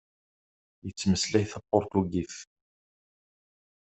Yettmeslay tapuṛtugit.